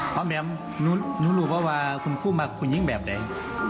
เพราะแม่งหนูรู้เพราะว่าคุณครูมากคุณยิ่งแบบไหน